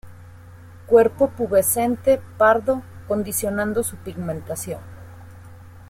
Cuerpo pubescente, pardo, condicionando su pigmentación.